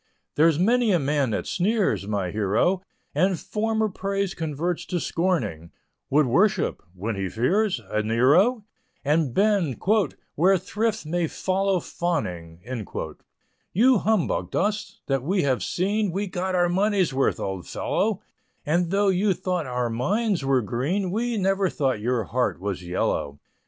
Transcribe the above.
There's many a man that sneers, my hero, And former praise converts to scorning, Would worship when he fears a Nero, And bend "where thrift may follow fawning." You humbugged us that we have seen, We got our money's worth, old fellow, And though you thought our minds were green, We never thought your heart was yellow.